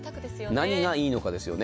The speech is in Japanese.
何がいいのかですよね。